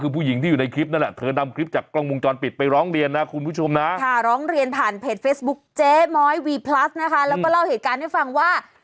เป็นเพจเฟสบุ๊คเจ๊ม้อยวีพลัสนะคะแล้วก็เล่าเหตุการณ์ให้ฟังว่า